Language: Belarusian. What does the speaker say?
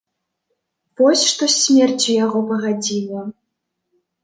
Вось што з смерцю яго пагадзіла!